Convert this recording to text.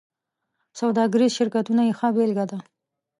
سوداګریز شرکتونه یې ښه بېلګه ده.